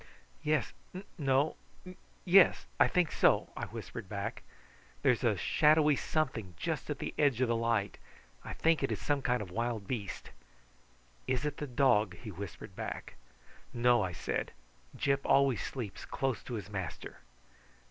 "Yes no yes, I think so," I whispered back. "There's a shadowy something just at the edge of the light. I think it is some kind of wild beast." "Is it the dog?" he whispered back. "No," I said. "Gyp always sleeps close to his master."